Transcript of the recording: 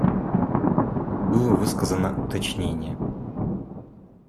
Было высказано уточнение.